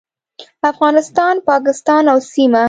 افغانستان، پاکستان او سیمه